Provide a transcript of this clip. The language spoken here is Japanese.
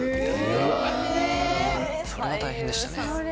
それが大変でしたね。